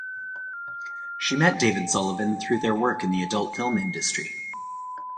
She met David Sullivan through their work in the adult film industry.